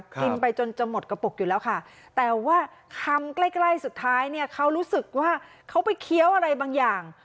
กินไปจนจะหมดกระปุกอยู่แล้วค่ะแต่ว่าคำใกล้ใกล้สุดท้ายเนี่ยเขารู้สึกว่าเขาไปเคี้ยวอะไรบางอย่าง